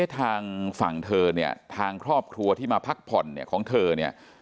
ทางฝั่งเธอเนี่ยทางครอบครัวที่มาพักผ่อนเนี่ยของเธอเนี่ย